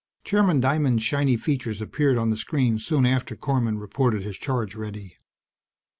Chairman Diamond's shiny features appeared on the screen soon after Korman reported his charge ready.